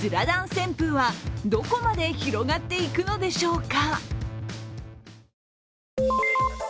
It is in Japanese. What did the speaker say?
旋風はどこまで広がっていくのでしょうか。